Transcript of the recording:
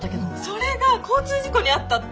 それが交通事故に遭ったって。